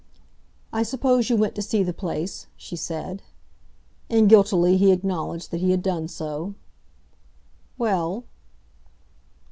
"I suppose you went to see the place?" she said. And guiltily he acknowledged that he had done so. "Well?"